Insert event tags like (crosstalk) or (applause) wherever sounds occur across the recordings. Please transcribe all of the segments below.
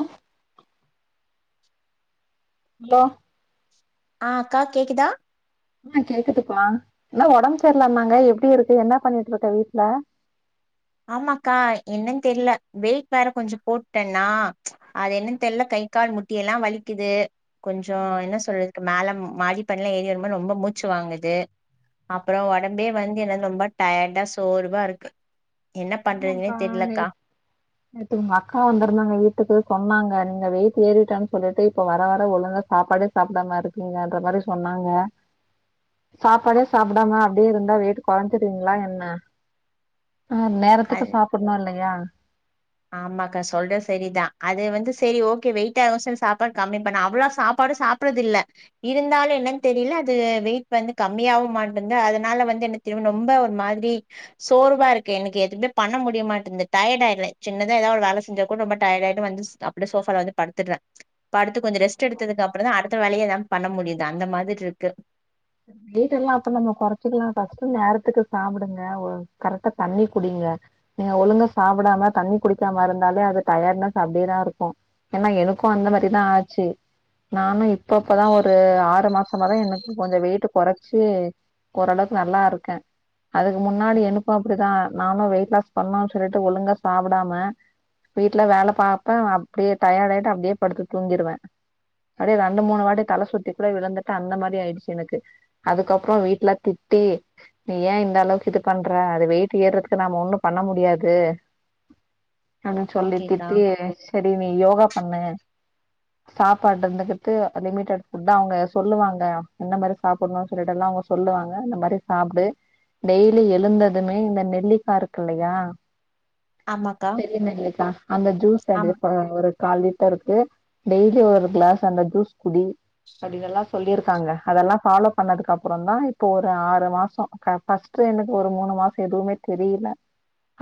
அ low ஆ அக்கா கேக்குதா ஆ கேக்குதுப்பா என்னா உடம்பு சேரில்லனாங்க எப்படி இருக்கு என்னா பண்ணிட்டு இருக்க வீட்ல ஆமாக்கா என்னன்னு தெர்ல வெயிட் வேற கொஞ்சோ போட்டன்னா அது என்னன்னு தெர்ல கை கால் முட்டியெல்லா வலிக்குது கொஞ்சோ என்ன சொல்றது மேல மாடிப்படியெல்லா ஏறி இறங்கு போது ரொம்ப மூச்சு வாங்குது அப்றோ உடம்பே வந்து என்னாது ரொம்ப டயர்டா சோர்வா இருக்கு என்ன பண்றதுனே ஆமாம்ப்பா தெர்லக்கா நேத் நேத்து உங்க அக்கா வந்திருந்தாங்க வீட்டுக்கு சொன்னாங்க நீங்க வெய்ட்டு ஏறிட்டேன்னு சொல்லிட்டு இப்ப வர வர ஒழுங்கா சாப்பாடே சாப்டாம இருக்கீங்கன்ற மாறி சொன்னாங்க சாப்பாடே சாப்படாம அப்டியே இருந்தா வெய்ட்டு கொறஞ்சிருவிங்ளா என்ன? அ அது நேரத்துக்கு சாப்புட்ணு இல்லையா? ஆமாக்கா சொல்ற செரிதா அது வந்து சேரி ஓகே வெயிட் ஆவு சொல் சாப்பாடு கம்மி பண்ணே அவ்ளோ சாப்பாடு சாப் ப்றதில்ல இருந்தாலு என்னன் தெரில அது வெயிட் வந்து கம்மியாவு மாட்டன்தா அதுனால வந்து என்னத் தெரிமா நொம்ப ரொம்ப ஒரு மாதிரி சோர்வாருக்கு எனக்கே எதுமே பண்ண முடியமாட்டன்து டயடு ஆயிர்றே. சின்னதா எதா ஒரு வேல செஞ்சா கூட ரொம்ப டயடாய்ட்டு வந்துஸ் அப்டே சோஃபால வந்து படுத்துட்றே. படுத்து கொஞ்சோ ரெஸ்ட்டு எடுத்ததுக்கு அப்புறந்தா அடுத்த வேல எல்லாம் பண்ண முடிது அந்த மாதிர்ருக்கு. வெயிட்டல்லா அப்ற நம்ம கொறச்சிக்கலா ஃபஸ்ட்டு நேரத்துக்கு சாப்புடுங்க ஒ கரெக்டா தண்ணி குடிங்க. நீங்க ஒழுங்க சாப்படாம தண்ணி குடிக்காம இருந்தாலே அது டயேட்னஸ் அப்டியேதா இருக்கு. ஏன்னா எனக்கு அந்த மாரிதா ஆச்சி. நானு இப்பப்பதா ஒரு ஆறு மாசமாதா எனுக்கு கொஞ்சோ வெயிட்டு கொறச்சு ஒரளவுக்கு நல்லா இருக்கே. அதுக்கு முன்னாடி எனுக்கு அப்டிதா நானு வெயிட் லாஸ் பண்ணுன் சொல்லிட்டு ஒழுங்க சாப்படாம வீட்ல வேல பாப்பே அப்டியே டயாடு ஆய்ட்டு அப்டியே படுத்து தூங்கிருவே. அப்டே ரெண்டு மூணு வாட்டி தல சுத்தி கூட விழுந்துட்டே அந்த மாரி ஆயிடுச்சு எனுக்கு. அதுக்கப்றோ வீட்ல திட்டி நீ ஏ இந்த அளவுக்கு இது பண்ற அது வெயிட் ஏர்றதுக்கு நாம ஒன்னு பண்ண முடியாது. அனு சொல்லி ஓகேக்கா திட்டி செரி நீ யோகா பண்ணு சாப்பாட்ருந்துகிட்டு அ லிமிட்டெட் ஃபுட்டா அவுங்க சொல்லுவாங்க என்ன மாரி சா புன்னு சொல்லிட்டெல்லா அவுங்க சொல்லுவாங்க அந்த மாரி சாப்டு. டெய்லி எழுந்ததுமே இந்த நெல்லிக்கா இருக்குல்லையா ஆமாக்கா பெரிய நெல்லிக்கா அந்த ஜூஸ் ஆமா அது ப ஒரு கால்லிட்டருக்கு டெய்லி ஒரு கிளாஸ் அந்த ஜூஸ் குடி. அப்டி இதெல்லா சொல்லிர்க்காங்க அதெல்லா ஃபாலோ பண்ணதுக்கப்புறந்தா இப்போ ஒரு ஆறு மாசோ க ஃபஸ்ட்டு எனக்கு ஒரு மூணு மாசோ எதுவுமே தெரில.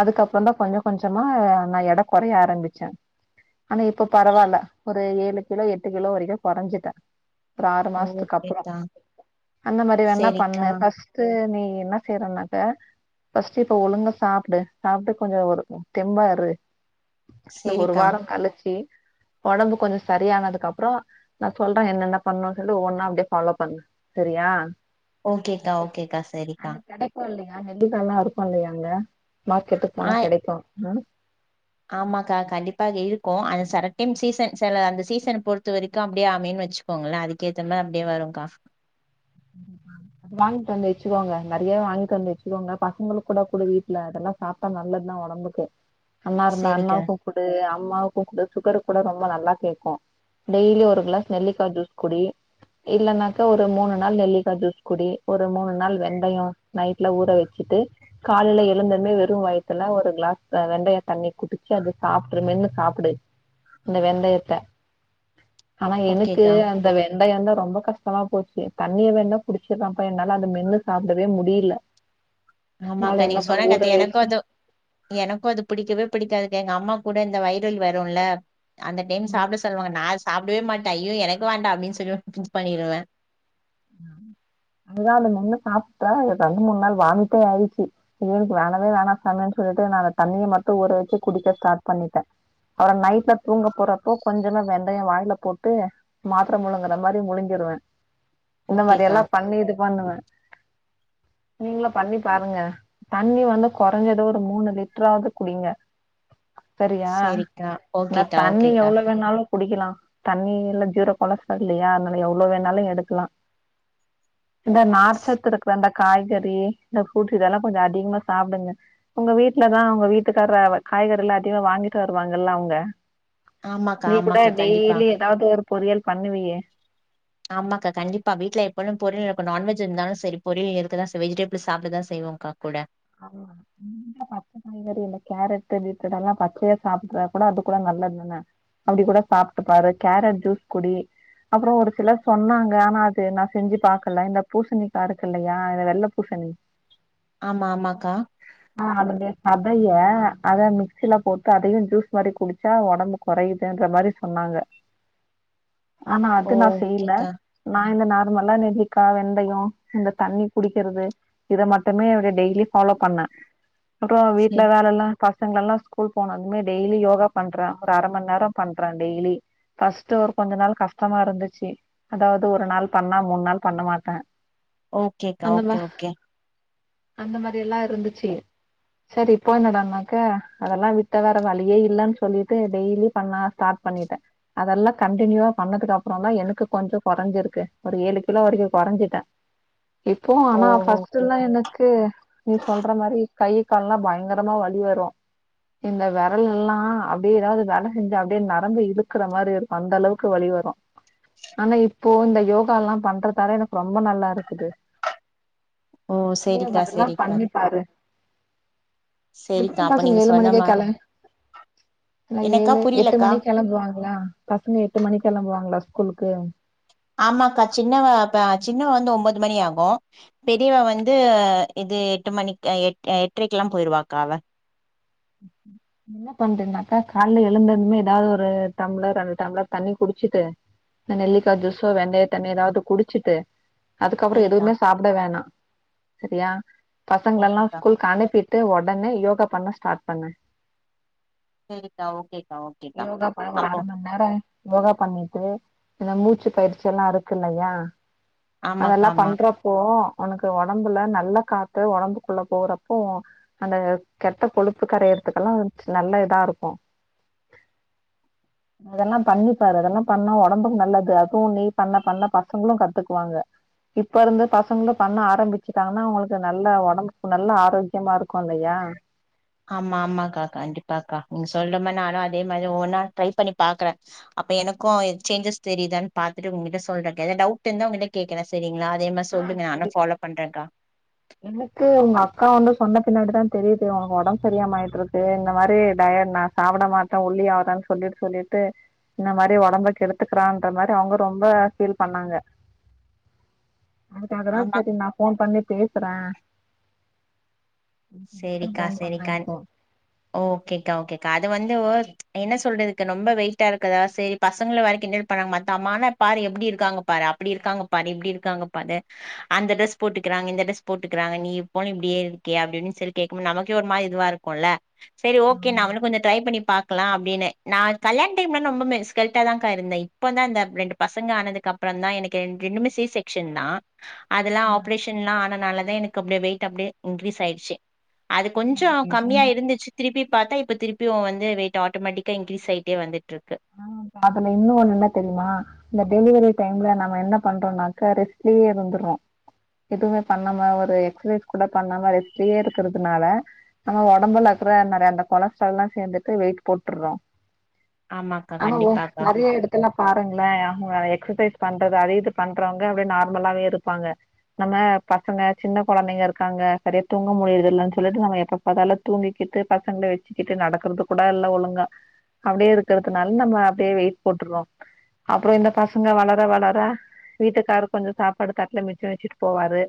அதுக்கப்புறந்தா கொஞ்ச கொஞ்சமா நா எட கொறைய ஆரம்பிச்சே. ஆனா இப்ப பரவால்ல ஒரு ஏழு கிலோ எட்டு கிலோ வரைக்குமே கொறஞ்சுட்டே. ஒரு ஆறு மாசத்துக்கப்புறோ ஓகேக்கா அந்த மாரி வேண்ணா சரிக்கா பண்ணு ஃபஸ்ட்டு நீ என்ன செய்றன்னாக்க ஃபஸ்டு இப்ப ஒழுங்கா சாப்டு சாப்ட்டு கொஞ்சோ ஒரு ம் தெம்பா இரு. இந்த ஒரு சரிக்கா வாரோ கழிச்சி ஒடம்பு கொஞ்சோ சரியானதுக்கு அப்றோ நா சொல்றே என்னென்ன பண்ணுன் சொல்லி ஒவ்வொன்னா அப்டியே ஃபாலோ பண்ணு. செரியா? ஓகேக்கா ஓகேக்கா செரிக்கா. (unintelligible) நெல்லிக்காலா இருக்கு இல்லையா அங்க மார்க்கெட்டுக் போனா ஆஹ் கெடைக்கு ம். ஆமாக்கா கண்டிப்பாக இருக்கு அது செர டைம் சீசன் செல அந்த சீசன பொறுத்த வரைக்கு அப்டியே (unintelligible) வெச்சு போங்கள்ல அதுக்கேத்த மா அப்டியே வருங்க்கா. அது வாங்கிட்டு வந்து வெச்சுக்கோங்க நறியாவே வாங்கிட்டு வந்து வெச்சுக்கோங்க பசங்களுக்கூட குடு வீட்ல அதெல்லா சாப்ட்டா நல்லத்தா ஒடம்புக்கு அண்ணா இருந்தார்னா சேரிக்கா கு குடு அம்மாவுக்கு குடு சுகருக் கூட ரொம்ப நல்லா கேக்கு. டெய்லி ஒரு கிளாஸ் நெல்லிக்கா ஜூஸ் குடி இல்லன்னாக்கா ஒரு மூணு நாள் நெல்லிக்கா ஜூஸ் குடி ஒரு மூணு நாள் வெந்தயோ நைட்ல ஊற வெச்சிட்டு காலைல எழுந்ததுமே வெறு வயத்துல ஒரு கிளாஸ் அ வெந்தய தண்ணி குடிச்சு அது சாப்ட்ரு மென்னு சாப்புடு. இந்த வெந்தயத்த ஆனா எனுக்கு ஓகேக்கா அந்த வெந்தயந்தா ரொம்ப கஷ்டமா போச்சு தண்ணிய வேண்ணா குடிச்சிரம்ப்பா என்னால அத மென்னு சாப்டவே முடில. ஆமாக்கா நீங்க சொன்ன கரெக்ட் எனக்கு வச்சு அது எனக்கு அது பிடிக்கவே பிடிக்காது கா எங்க அம்மா கூட இந்த வையிர் வலி வருன்ல அந்த டைம் சாப்பிட தருவாங்க நான் சாப்டவே மாட்டன் ஐயோ எனக்கு வேண்டாம் அப்டின்னு சொல்லி ஸ்கிப் பண்ணிடுவேன் அதுதான் அது மண்ணே சாப்பிட்டா ரெண்டு மூணு நாள் வாமிட்டே ஆயிடுச்சு ஐயோ வேணவே வேணாம் சாமி சொல்லிட்டு நான் அந்த தண்ணிய மட்டு ஊற வச்சு குடிக்க ஸ்டார்ட் பண்ணிட்டேன் அப்றம் நைட்ல தூங்க போறப்போ கொஞ்சன வெந்தயம் வாயில போட்டு மாத்ர முழுங்குற மாரி முழுங்கிருவேன் இந்த மாரி ஓகேக்கா எல்லா பண்ணி இது பண்ணுவேன் நீங்ளும் பண்ணி பாருங்க தண்ணி வந்து குறைஞ்சது ஒரு மூணு லிட்டராவது குடிங்க சரியா சேரிக்கா நா ஓகேக்கா தண்ணி ஓகேக்கா எவ்ளோ வேணாலு குடிக்கலாம் தண்ணி இல்ல ஜீரோ கொலஸ்ட்ரால் இல்லையா அதனால எவ்ளோ வேணாலு எடுக்கலாம் இந்த நார்ச்சத்து இருக்கிற அந்த காய்கறி இந்த ஃப்ரூட்ஸ் இதெல்லா கொஞ்சம் அதிகமா சாப்டுங்க உங்க வீட்லதா அவங்க வீட்டுக்கார காய்கறி எல்லாம் அதிகமா வாங்கிட்டு வருவாங்கல்ல அவங்க ஆமாக்கா நீ கூட ஆமாக்கா கண்டிப்பா டெய்லி ஏதாவது ஒரு பொரியல் பண்ணுவியே ஆமாக்கா கண்டிப்பா விட்ல எப்போலு பொரியல் இருக்கும் நான்வெஜ் இருந்தாலும் செரி பொரியல் இருக்குக்கதா வெஜிடபிள் சாப்பிடுதா செய்வோம் காக்குட (inaudible) (unintelligible) பச்ச காய்கறி இல்ல கேரட் பீட்ரூட்டு எல்லா பச்சையா சாப்பிட்டா கூட அதுக்கூட நல்லதுதானே அப்டி கூட சாப்ட்டுப்பாரு கேரட் ஜூஸ் குடி அப்புறம் ஒரு சிலர் சொன்னாங்க ஆனா அது நான் செஞ்சு பாக்கல இந்த பூசணிக்கா இருக்கு இல்லயா வெள்ள பூசணி ஆமா ஆமா கா ஆ அதனுடைய சதய அத மிக்சில போட்டு அதையு ஜூஸ் மாரி குடிச்சா ஒடம்புக் குறையுதுன்ற மாரி சொன்னாங்க ஆனா அது நான் செய்ல ஓகேக்கா நான் இந்த நார்மலா நெல்லிக்கா வெந்தயோ இந்த தண்ணி குடிக்கிறது இத மட்டுமே அப்டி டெய்லி ஃபாலோ பண்ண அப்ரோ வீட்ல சரி வேலல்லாம் பசங்கல்லா ஸ்கூல் போனதுமே டெய்லி யோகா பண்றே ஒரு அரமன் நேரோ பண்றேன் டெய்லி பஸ்ட்டு ஒரு கொஞ்ச நாள் கஷ்டமா இருந்துச்சு அதாவது ஒரு நாள் பண்ணா மூணு நாள் பண்ண மாட்ட ஓகேக்கா ஓகே ஓகே அந்த மாரில்லா இருந்துச்சு சரி இப்போ என்னடாண்ணாக்க அதெல்லா விட்ட வேற வழியே இல்லைன்னு சொல்லிட்டு டெய்லி பண்ண ஸ்டார்ட் பண்ணிட்டேன் அதெல்லா கண்டியூவா பண்ணதுக்கு அப்றோ தா எனக்கு கொஞ்ஜோ கொறைஞ்சிருக்கு ஒரு ஏழு கிலோ வரைக்கு கொறஞ்சிட்டன் இப்போவு ஓ ஆனா ஓகே ஃபர்ஸ்ட்ல்லா எனக்கு நீ சொல்ற மாரி கை கால்லா பயங்கரமா வழி வரும் இந்த விரல் எல்லாம் அப்டியே ஏதாவது வேல செஞ்சா அப்டியே நெரம்பு இழுக்கற மாரி இருக்கு அந்த அளவுக்கு வழி வரும் ஆனா இப்போ இந்த யோகால்லாம் பண்றதால எனக்கு ரொம்ப நல்லா இருக்குது ஓ நீ சரிக்கா அப்டினா சரிக்கா பண்ணிப்பாரு எப்டி சரிக்கா அப்ப பசங்க நீங்க ஏழு மணிக்கே சொன்னமா கேளம் ன்ன எனக்கா ஏழு எட்டு புரியலக்கா மணி கெளம்புவாங்ளா பசங்க எட்டு மணி கெளம்புவாங்ளா ஸ்கூலுக்கு ஆமாக்கா சின்னவன் சின்னவன் வந்து ஒன்பது மணி ஆகும் பெரியவ வந்து இது எட்டு மணிக்கு எ எட்டரைக்கெலாம் போயிடுவாக்கா அவ ம் என்ன பண்றீனாக்கா கால்ல எழுந்ததுமே ஏதாவது ஒரு டம்ளர் ரெண்டு டம்ளர் தண்ணி குடிச்சிட்டு நா நெல்லிக்கா ஜூசோ வெந்தய தண்ணி ஏதாது குடிச்சிட்டு அதுக்கப்றோ சரிக்கா எதுவுமே சாப்ட வேணா செரியா பசங்களல்லா ஓகேக்கா ஸ்கூலக்கு அனுப்பி ட்டு ஒடனே யோகா பண்ண ஸ்டார்ட் பண்ணு சேரிக்கா ஓகேக்கா ஓகேக்கா பாப்போ நேற யோகா பண்ணிட்டு இந்த மூச்சு பயிற்சிலா இருக்கு இல்லயா ஆமாக்கா அதெல்லா ஆமா பண்றப்போ உனக்கு ஒடம்புல நல்ல காத்து ஒடம்புக்குள்ள போறப்போ அந்த கெட்ட கொழுப்பு கரையறதுக்கெல்லா ஒரு நல்ல இதா இருக்கு (inaudible) அதெல்லா பண்ணிப்பாரு அதெல்லா பண்ணா ஒடம்புக்கு நல்லது அதுவு நீ பண்ண பண்ண பசங்களு கத்துக்குவாங்க இப்ப இருந்து பசங்களு பண்ண ஆரம்பிச்சுட்டாங்கன்னா அவங்களுக்கு நல்ல ஒடம்பு நல்ல ஆரோக்கியமா இருக்கு இல்லயா ஆமா ஆமாக்கா கண்டிப்பாக்கா நீங்க சொல்ற மாரி நானு அதே மாரி ஒன்னா ட்ரை பண்ணி பாக்குற அப்ப எனக்கு சேஞ்சஸ் தெரியுதான்னு பாத்துட்டு உங்கிட்ட சொல்றா எதா டவுட் இருந்த உங்கிட் கேக்கற செரிங்களா அதே மாரி ஆ சொல்லுங்க சரி நானு ஃபாலோ பண்றேக்கா எனக்கு உங்க அக்கா வந்து சொன்ன பின்னாடி தா தெரியுது அவங்க ஒடம்பு சரியாமா ஆயிட்டு இருக்கு இந்த மாரி டய சாப்ட மாட்ட ஓள்ளி ஆகுதான்னு சொல்லிட்டு சொல்லிட்டு இந்த மாரி ஒடம்ப கெடுத்துக்கறான்ற மாரி அவங்க ரொம்ப ஃபீல் பண்ணாங்க அதுக்காகதா ஆமா செரி நா ஃபோன் பண்ணி பேசற (unintelligible) சேரிக்கா ஃபோன் பண்ணே சேரிக்கா இப்போ ஓகேக்கா ஓகேக்கா அது வந்து என்ன சொல்றதுக்கு ரொம்ப வெயிடிட்டா இருக்குதா செரி பசங்க வேற கிண்டல் பண்ணாங்க மத்த அம்மானா பாரு எப்டி இருக்காங்க பா அப்டி இருக்காங்க பாரு இப்டி இருக்காங்க பாரு அந்த டிரெஸ் போட்டுக்கிறாங்க இந்த டிரஸ் போட்டுக்கிறாங்க நீ எப்போவு இப்டியே இருக்கிய அப்டி இப்டி சொல்லி கேட்கும் போது நமக்கே ஒரு மாரி இதுவ இருக்கு குல்ல சேரி ஓகே ஆமா நம்மளு கொஞ்சோ ட்ரை பண்ணி பாக் லா அப்டின்னு நா கல்யாண டைம்ல ரொம்போ (unintelligible) தா இருந்தே இப்ப தா இந்த ரெண்டு பசங்க ஆனதுக்கு அப்றோ தா எனக்கு ரெண் ரெண்டுமே சி செக்க்ஷன் தா அதெல்லா ஆ ஆப்ரேஷன்ல்லா ஆனனாலதா எனக்கு அப்டியே வெயிட் அப்டியே இன்க்ரீஸ் ஆயிடுச்சு அது கொஞ்சோ கம்மியா இருந்துச் திருப்பி பாத்தா இப்ப திருப்பியு வந்து வெயிட் ஆட்டோமேட்டிக்கா இன்க்ரீஸ் ஆயிட்டே வந்துட்ருக்கு ஆ அதுல இன்னு ஒண்ணு என்னா தெரியுமா இந்த டெலிவரி டைம்ல நம்ம என்ன பண்றோனாக்க ரெஸ்ட்லயே இருந்துர்ரோ எதுமே பண்ணாம ஒரு எக்சசைஸ் கூட பண்ணாம ரெஸ்ட்லயே இருக்கிறதுனால நம்ம ஒடம்புல இருக்கற (unintelligible) கொலஸ்ட்ரால் எல்லா சேந்துட்டு வெயிட் போட்டுட்றோ ஆமாக்கா ஆமாங்க கண்டிப்பாக்கா நெறைய எடத் த்துல பாருங்களே அவங்க எக்ஸசைஸ் பண்றது அத இத பண்றவங்க அப்டியே நார்மலாவே இருப்பாங்க நம்ம பசங்க சின்ன கொழந்தைங்க இருக்காங்க செரியா தூங்க முடியறது இல்லன்னு சொல்ட்டு நம்ம எப்ப அதால்ல தூங்கிக்கிட்டு பசங்கள வெச்சுக்கிட்டு நடக்கறது கூட இல்ல ஒழுங்கா அப்டியே இரு க்கிறதுனால நம்ம அப்டியே வெயிட் போட்டுறோ அப்றோ இந்த பசங்க வளர வளர வீட்டுக்காரரு கொஞ்சோ சாப்பாடு தட்ல மிச்சோ வெச்சுட்டு போவாரு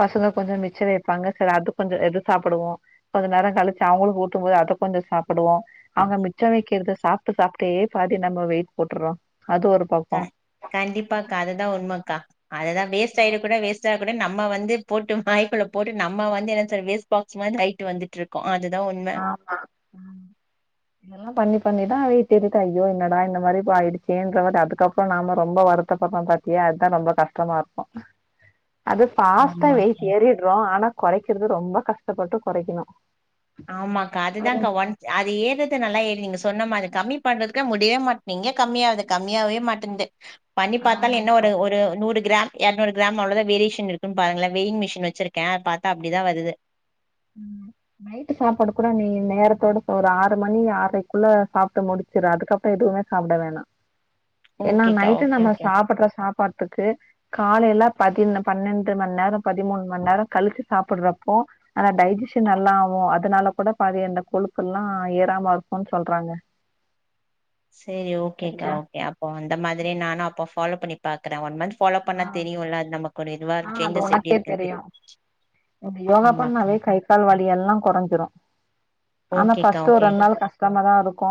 பசங்க கொஞ்சோ மிச்சோ வைப்பாங்க செரி அது கொஞ்சோ எது சாப்புடுவோ கொஞ்ச நேர கழிச்சு அவங்களுக்கு ஊத்து போது அத கொஞ்சோ சாப்புடுவோ அவங்க மிச்சோ வைக்கிறத சாப் சாப்டு சாப்டே பாதி நம்ம வெயிட் போட்டுறோ அது ஒரு பக்கோ கண்டிப்பாக்கா அதுதா உண்மக்கா அதுதா வேஸ்ட் ஆயிட கூட வேஸ்ட் (unintelligible) நம்ம வந்து போட்டு வாய்குள்ள போட்டு நம்ம வந்து என்ன சொல்றது வேஸ்ட் பாக்ஸ் மாரி ஆயிட்டு வந்துட்டு இருக் அதுதா உண்ம ஆமா ம் பண்ணி பண்ணி தா வெய்ட்டு ஏரிருக்கா ஐயோ என்னடா இந்த மாறி ஆயிடுச்சேன்ற மாறி அதுக்கப்றோ நம்ம ரொம்ப வருத்தபட கூடாது ஏ அதா ரொம்ப கஷ்டமாருக்கு அது ஃபாஸ்ட்டா வெயிட் ஆமாக்கா ஏறிடுறோ ஆனா கொறைக்குறது ரொம்ப கஷ்டப்பட்டு கொறைக்கணு ஆமாக்கா அதுதாக்கா ஒன் அது ஏறது நல்லா ஏறி நீங்க சொன்னமாறி கம்மி பண்றதுக்கே முடியே மாட்டீங்க கம்மியாது கம்மியாவே மாட்டங்கது பண்ணி பாத்தாலு என்ன ஆமாப்பா ஒரு ஒரு நூறு கிராம் இரநூறு கிராம் அவ்ளதா வேரியேஷன் இருக்குன்னு பாருங்கள வெயிட் மெஷின் வச்சிருக்க அ பாத்தா அப்டிதா வருது நைட்டு் சாப்பாடு கூட நீ நேரத்தோட போற ஆறு மணி ஆரைக்குள்ள சாப்ட்டு முடிச் சேரி அதுக்கப்றோ எதுவுமே சாப்ட வேணா ஏனா ஓகேக்கா நைட்டு ஓகே நம்ம ஓகே சாப்ற சாப்பாட்டுக்கு காலேல பதி பன்னெண்டு மண்நேரோ பதிமூன் மண்நேரோ கழிச்சி சாப்ட்றப்போ ஆனா டைஜீஷன் நல்லா ஆவூ அதனால கூட பாதி அந்த கொழுப்பெல்லா ஏறாம இருக்குன்னு சொல்றாங்க செரி ஓகேக்கா சரியா ஓகே அப்போ அந்த மாதிரி நானு அப்போ ஃபாலோ பண்ணி பாக்குற ஒன் மந்த் ஃபாலோ பண்ண ஆ தெரியுல்ல அது நமக்கு ஒரு இதுவா ஆ அது சேஞ்சஸ் எப்டி உனக்கே இருக்குன்னு தெரியு யோகா ஆமாக்கா பண்ணாவே கை கால் வலி எல்லா கொறஞ்சுறு ஆனா ஓகேக்கா ஃபர்ஸ்ட் ஒரு ஓகே ரெண் நாள் கா கஷ்டமாதாருக்கு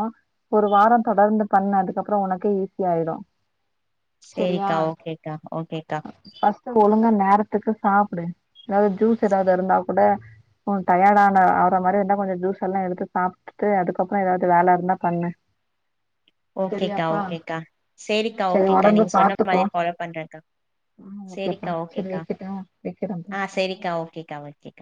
ஒரு வாரோ தொடர்ந்து பண்ணு அதுக்கப்பறோ உனக்கே ஈஸி ஆய்டு சேரிக்கா ஓகேக்கா ஓகேக்கா ஃபர்ஸ்ட் ஒழுங்கா நேரத்துக்கு சாப்டு ஏதாவது ஜூஸ் ஏதாவது இருந்தா கூட டயர்டா ஆன ஆவுற மாரிருந்தா கொஞ்சோ ஜூஸ் எல்லா எடுத்து சாப் (unintelligible) அதுக்கப்றோ ஏதாவது வேல இருந்தா பண்ணு ஓகேக்கா செரியாப்பா ஓகேக்கா சேரிக்கா செரி ஓகேக்கா ஒடம்பு நீங்க சொன்ன பாத்துக்கோ மாறியே ஃபாலோ பண்ற ம் ஓகேப்பா சேரிக்கா செரி ஓகேக்கா வெக்கட்டா வெக்கிறேன்ப்பா ஆ சேரிக்கா ஓகேக்கா ஓகே